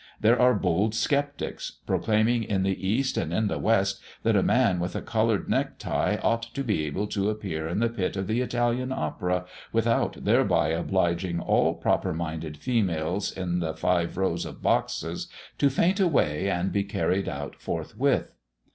There are bold sceptics, proclaiming in the East and in the West that a man with a coloured neck tie ought to be able to appear in the pit of the Italian Opera, without thereby obliging all proper minded females in the five rows of boxes to faint away and be carried out forthwith.